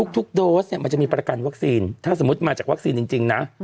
โดสเนี่ยมันจะมีประกันวัคซีนถ้าสมมุติมาจากวัคซีนจริงนะ